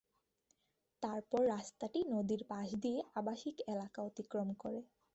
তারপর রাস্তাটি নদীর পাশ দিয়ে আবাসিক এলাকা অতিক্রম করে।